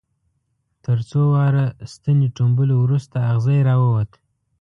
تر څو واره ستنې ټومبلو وروسته اغزی را ووت.